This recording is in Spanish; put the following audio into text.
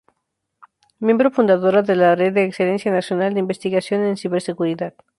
Miembro fundadora de la Red de Excelencia Nacional de Investigación en Ciberseguridad.